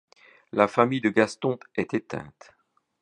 La famille de Gaston est éteinte.